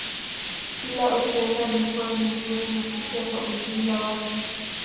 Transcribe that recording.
Ila ukienda mikoa mingine unasikia kwa ujumla wake